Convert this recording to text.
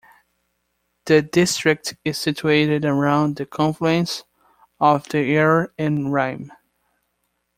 The district is situated around the confluence of the Aare and Rhine.